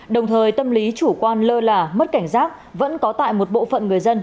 đồng thời tâm lý chủ quan lơ là mất cảnh giác vẫn có tại một bộ phận người dân